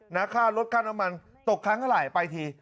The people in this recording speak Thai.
นาคาลดค่าน้ำมันตกครั้งหลายไปที